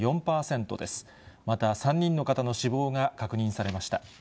また、３人の方の死亡が確認されました。